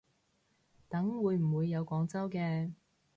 等會唔會有廣州嘅